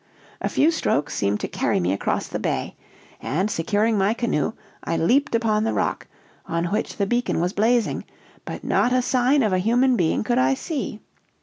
"A few strokes seemed to carry me across the bay, and, securing my canoe, I leaped upon the rock, on which the beacon was blazing, but not a sign of a human being could I see.